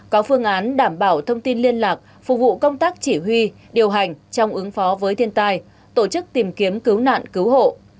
có phương án đảm bảo thông tin liên lạc phục vụ công tác chỉ huy điều hành trong ứng phó với thiên tai tổ chức tìm kiếm cứu nạn cứu hộ